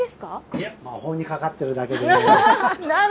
いえ、魔法にかかっているだけでございます。